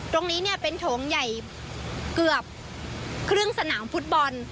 ตรงนี้เนี่ยเป็นโถงใหญ่เกือบครึ่งสนามฟุตบอล